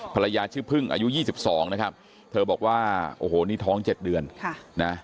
ภรรยาชื่อพึ่งอายุ๒๒นะครับเธอบอกว่าโอ้โหนี่ท้อง๗เดือนนะ